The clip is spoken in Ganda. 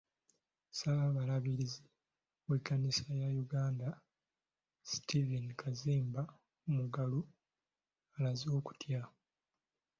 Ssaabalabirizi w'ekkanisa ya Uganda, Stephen Kazimba Mugalu, alaze okutya.